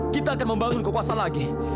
kita akan membangun kekuasaan lagi